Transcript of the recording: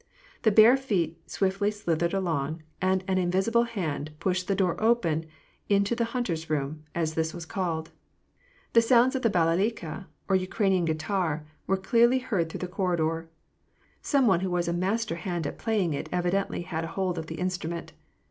The bare feet swiftlv slithered along, and an invisible hand pushed the door open into the " hunters' room," as this was called. The sounds of the balalaika, or Ukraine guitar, were clearly heard through the corridor; some one who was a master hand at playing it evidently luid hold of the instrument.